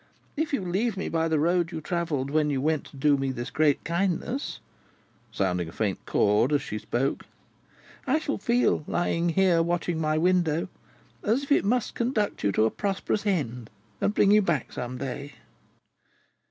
If you leave me by the road you travelled when you went to do me this great kindness," sounding a faint chord as she spoke, "I shall feel, lying here watching at my window, as if it must conduct you to a prosperous end, and bring you back some day."